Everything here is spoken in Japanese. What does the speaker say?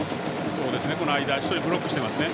この間１人ブロックしていますね。